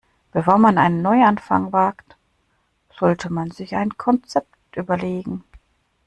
Bevor man einen Neuanfang wagt, sollte man sich ein Konzept überlegen.